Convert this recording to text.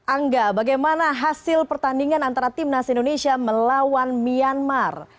angga bagaimana hasil pertandingan antara timnas indonesia melawan myanmar